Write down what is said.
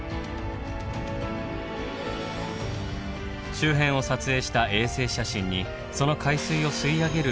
周辺を撮影した衛星写真にその海水を吸い上げる